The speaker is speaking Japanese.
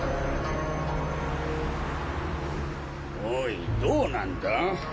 おいどうなんだ？